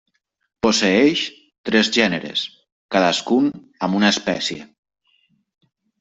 Posseeix tres gèneres, cadascun amb una espècie.